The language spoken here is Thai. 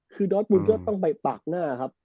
คือดอสบุญก็ต้องไปปากหน้าครับ